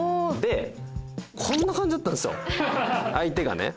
こんな感じだったんですよ、相手が。